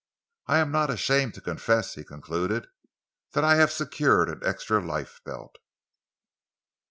I am not ashamed to confess," he concluded, "that I have secured an extra lifebelt."